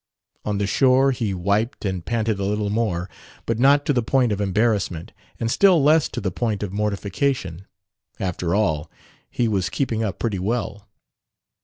On the shore he wiped and panted a little more but not to the point of embarrassment, and still less to the point of mortification. After all, he was keeping up pretty well.